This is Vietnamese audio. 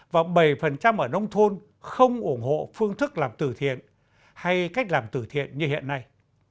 và bảy ở nông thôn không ủng hộ phương thức làm từ thiện hay cách làm từ thiện như hiện nay